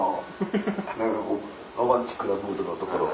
何かこうロマンチックなムードのところ？